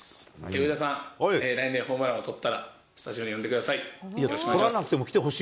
上田さん、来年、ホームラン王を取ったら、スタジオに呼んでください。